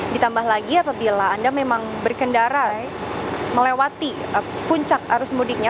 ditambah lagi apabila anda memang berkendara melewati puncak arus mudiknya